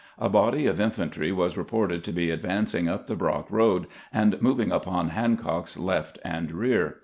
A body of infantry was reported to be advancing up the Brock road, and mov ing upon Hancock's left and rear.